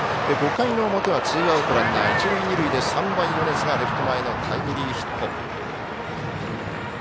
５回の表はツーアウトランナー、一塁二塁で３番、米津がレフト前のタイムリーヒット。